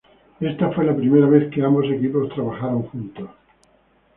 Ésta fue la primera vez que ambos equipos trabajaron juntos.